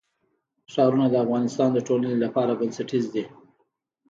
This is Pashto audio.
ښارونه د افغانستان د ټولنې لپاره بنسټیز دي.